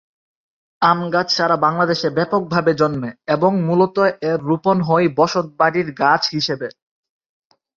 আম গাছ সারা বাংলাদেশে ব্যাপকভাবে জন্মে এবং মূলত এর রোপণ হয় বসতবাড়ির গাছ হিসেবে।